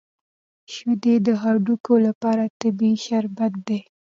شیدې د هډوکو لپاره طبیعي شربت دی